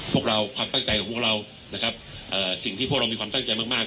พวกเราความตั้งใจของพวกเรานะครับสิ่งที่พวกเรามีความตั้งใจมากมาก